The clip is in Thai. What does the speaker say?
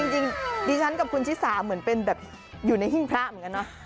จริงดีถ้าฉันกับคุณชมฉีสาเหมือนอยู่ในห้ิงพระเหมือนกันเนอะ